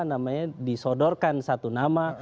namanya disodorkan satu nama